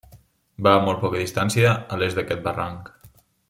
Va a molt poca distància a l'est d'aquest barranc.